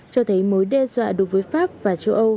cho thấy mối đe dọa đối với pháp và châu âu